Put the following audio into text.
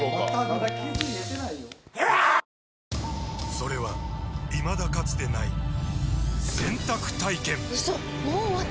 それはいまだかつてない洗濯体験‼うそっ！